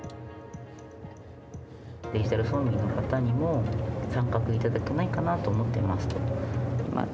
デジタル村民の方にも参画いただけないかなと思ってます。